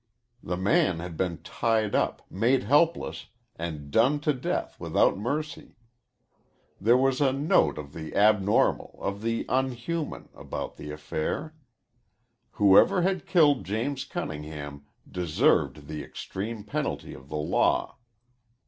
The man had been tied up, made helpless, and done to death without mercy. There was a note of the abnormal, of the unhuman, about the affair. Whoever had killed James Cunningham deserved the extreme penalty of the law.